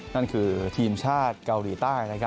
นั่นคือทีมชาติเกาหลีใต้